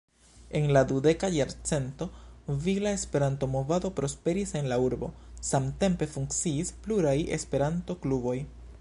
En la dudeka jarcento vigla Esperanto-movado prosperis en la urbo, samtempe funkciis pluraj Esperanto-kluboj.